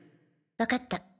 わかった。